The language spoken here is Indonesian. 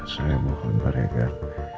saya mohon pak reger